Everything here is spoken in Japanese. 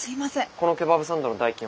このケバブサンドの代金は５００円